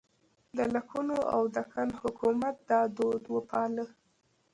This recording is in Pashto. د لکنهو او دکن حکومتونو دا دود وپاله.